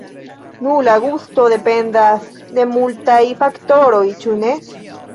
Nu, la gusto dependas de multaj faktoroj, ĉu ne?